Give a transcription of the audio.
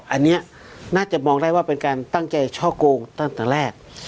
อันนี้น่าจะมองได้ว่าเป็นการตั้งใจช่อโกงตั้งแต่แรก